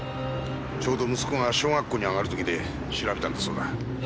ちょうど息子が小学校に上がる時で調べたんだそうだ。